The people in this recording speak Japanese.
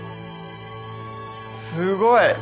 すごい！